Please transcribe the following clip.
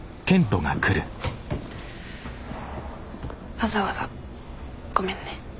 わざわざごめんね。